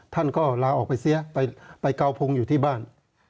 ท่านก็ลาออกไปเสียไปเกาพงอยู่ที่บ้าน